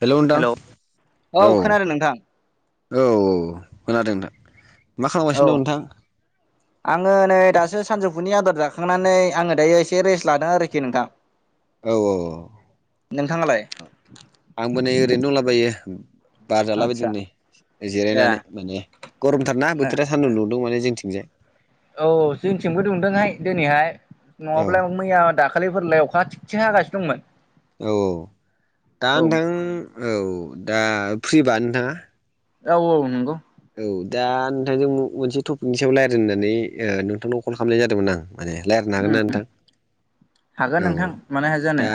Hello नोंथां औ खोनादों नोंथां औ। औ खादों नोंथां मा औ खालामगासिनो दं नोंथां। आङो नै दासो सानजौफुनि आदर जाखांनानै आङो दायो एसे रेस्ट लादों आरोखि नोंथां। औ औ। नोंथाङालाय? औ आंबो नै ओरैनो दंलाबायो बार जालाबायदों आदसा नै ए जिरायनानै माने गरमथारना बोथोरा सानदुं दुंदों माने जोंनिथिंजाय। औ औ जोंथिंबो दुंदोंहाय दिनैहाय औ नङाब्ला मैया दाखालि खालिफोरलायाव अखा थिसे हागासिनो दंमोन। औ औ दा औ नोंथां औ दा फ्रिबा नोंथाङा? औ औ नंगौ। औ दा नोंथांजों मोनसे टपिकनि सायाव रायज्लायनो होननानै नोंथांनाव कल खालामनाय जादोंमोन आं। माने रायलायनो उम हागोनना नोंथां हागोन औ दा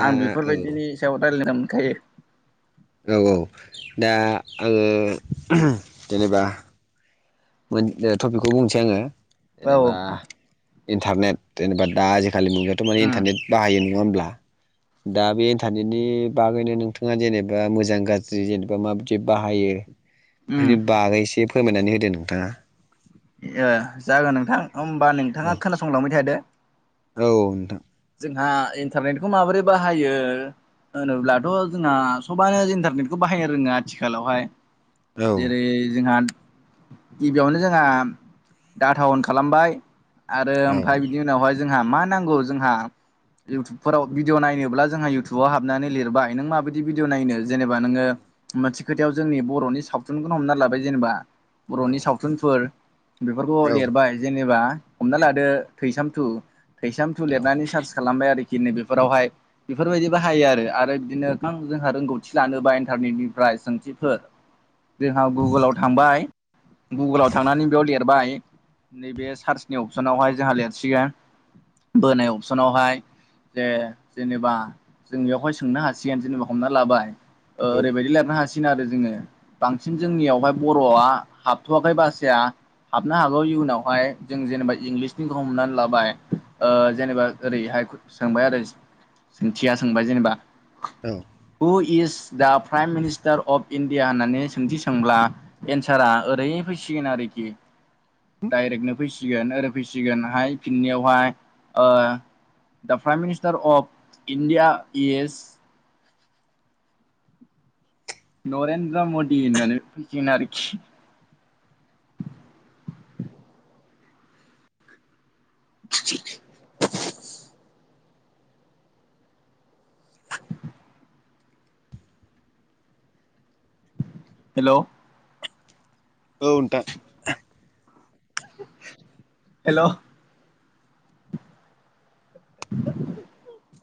औ। बिनि सायाव रायलायनो मोनखायो। औ औ दा आङो जेनेबा टपिकखौ बुंनोसै आङो औ जेनेबा इन्टारनेट जेनेबा दा ज आथिखालनि मुगायावाथ' माने उम इन्टारनेट बाहायो नङा होमब्ला? दा बे इन्टारनेटनि बागैनो नोंथाङा जेनेबा मोजां गाज्रि जेनेबा माबायदि बाहायो। उम बेफोरनि बागै एसे फोरमायनानै होदो नोंथाङा। ए जागोन नोंथां होमबा औ नोंथाङा खोनासंलांबाय थादो। औ नोंथां। जोंहा इन्टारनेटखौ माबोरै बाहायो। होनोब्लाथ' जोंना सबानो इन्टारनेटखौ बाहायनो रोङो आथिखालावहाय। औ जेरै जोंहा गिबियावनो जोंहा डाटा अन खालामबाय। आरो औ ओमफ्राय बिनि उनावहाय जोंहा मा नांगौ जोंहा [inaudible] इउटुबफोराव भिडिअ नायनोब्ला जोंहा इउटुबाव हाबनानै लिरबाय नों माबायदि भिदिअ नायनो जेनेबा नोङो। मोनसे खोथायाव जोंनि बर'नि सावथुनखौनो हमना लाबाय जेनेबा बर'नि सावथुनफोर बेफोरखौ लिरबाय जेनेबा हमना लादो थैसाम थु थैसाम थु औ लिरनानै। सार्च खालामबाय आरोखि नैबेफोरावहाय बेफोरबायदि बाहायो आरो बिदिनो गोबां जोंहा रोंगौथि लानोबा इन्टारनेटनिफ्राय सोंथिफोर [inaudible] जोंहा गुगोलाव थांबाय गुगोलाव थांनानै बेयाव लिरबाय। नैबे सार्चनि अपसनावहाय जोंहा लिरसिगोन बोनाया अपसनावहाय जे जेनेबा जों बेयावहाय सोंनो हासिगोन जेनेबा हमना लाबाय। औ ओरैबायदि लिरनो हासिगोन गोन आरो जोङो बांसिन जोंनियावहाय बर'आ हाबथ'वाखै बासाया हाबनो हागौ इयुनावहाय जों जेनेबा इंग्लिसनिखौ हमनानै लाबाय जेनेबा ओरैहाय सोंबाय आरो सोंथिया सोंबाय जेनेबा। औ who is the prime minister of India होननानै सोंथि सोंब्ला एन्सारा ओरै फैसिगोन आरोखि। डाइरेक्टनो फैसिगोन ओरै फैसिगोनहाय फिननियावहाय ओ the prime minister of India is Narendra Modi होननानै फैसिगोन आरोखि। [inaudible] [inaudible] हेल' औ नोंथां। हेलौ [inaudible]